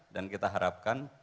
dan kita harapkan